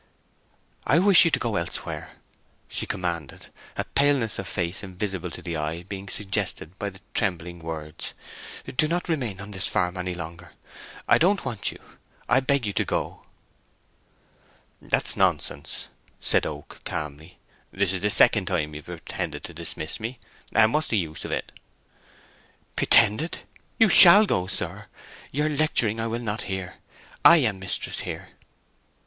"I wish you to go elsewhere," she commanded, a paleness of face invisible to the eye being suggested by the trembling words. "Do not remain on this farm any longer. I don't want you—I beg you to go!" "That's nonsense," said Oak, calmly. "This is the second time you have pretended to dismiss me; and what's the use o' it?" "Pretended! You shall go, sir—your lecturing I will not hear! I am mistress here."